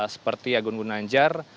seperti agun gunanjar